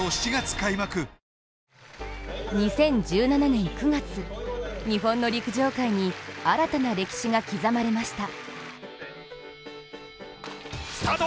２０１７年９月、日本の陸上界に新たな歴史が刻まれました。